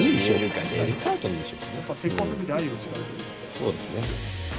そうですね。